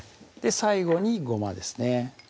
最後にごまですね